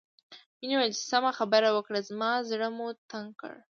مينې وويل چې سمه خبره وکړئ زما زړه مو تنګ کړ